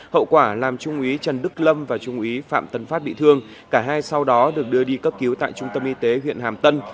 hậu quả làm trung úy trần đức lâm và trung úy phạm tấn phát bị thương cả hai sau đó được đưa đi cấp cứu tại trung tâm y tế huyện hàm tân